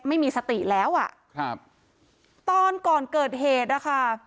ไม่มีสติแล้วอ่ะครับตอนก่อนเกิดเหตุนะคะ